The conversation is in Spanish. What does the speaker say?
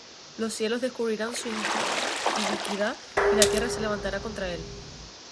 Los cielos descubrirán su iniquidad, Y la tierra se levantará contra él.